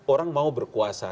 orang mau berkuasa